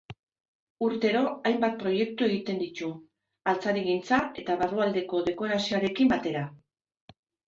Urtero hainbat proiektu egiten ditu, altzarigintza eta barrualdeko dekorazioarekin batera.